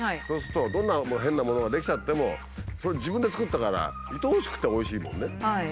そうするとどんな変なものが出来ちゃってもそれ自分で作ったからいとおしくておいしいもんね。